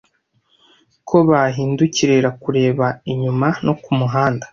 Ko bahindukirira kureba inyuma no kumuhanda,